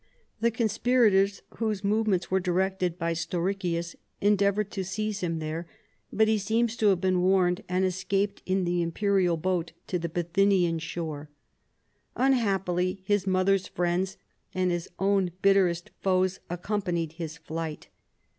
The conspirators, whose movements were directed by Stauracius, endeavored to seize him there, but he seems to have been warned, and escaped in the imperial boat to the Bithynian shore. Unhappily his mother's friends and his own bitterest foes accompanied his flight.